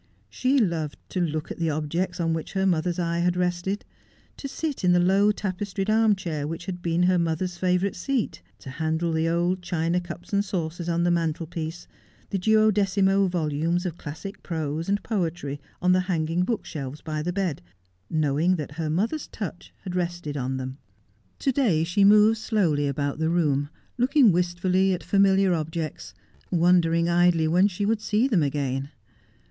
She loved to look at the objects on which her mother's eye had rested, to sit in the low tapestried arm chair which had been her mother's favourite seat, to handle the old china cups and saucers on the mantelpiece, the duodecimo volumes of classic prose and poetry on the hanging bookshelves by the bed, knowing that her mother's touch had rested on them. To day she moved slowly about the room, looking wistfully at familiar objects, wondering idly when she would see them again.